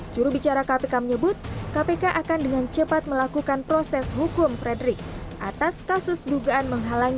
jurubicara kpk menyebut kpk akan dengan cepat melakukan proses hukum fredrich